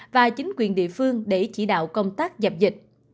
và chính quyền địa phương để chỉ đạo công tác dập dịch